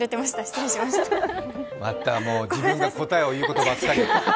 またもう自分が答えることばっかり。